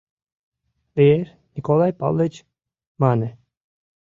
— Лиеш, Николай Павлыч? — мане.